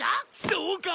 そうか！